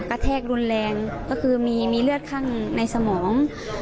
แทกรุนแรงก็คือมีเลือดข้างในสมอง